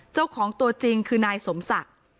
เจ้าของตัวจริงคือนายสมศักดิ์